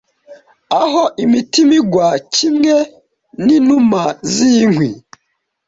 aho imitima igwa kimwe ninuma zinkwi